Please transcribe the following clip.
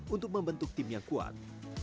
untuk membentuk tim yang kuat